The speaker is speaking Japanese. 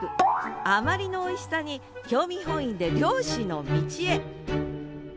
あまりのおいしさに興味本位で猟師の道へ。